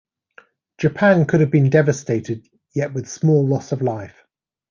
Japan could have been devastated, yet with small loss of life.